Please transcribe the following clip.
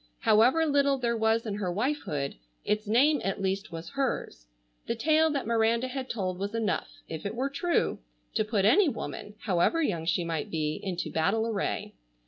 However little there was in her wifehood, its name at least was hers. The tale that Miranda had told was enough, if it were true, to put any woman, however young she might be, into battle array.